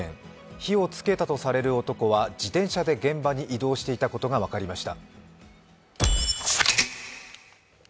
火をつけたとされる男は自転車で現場に移動していた可能性があることが分かりました。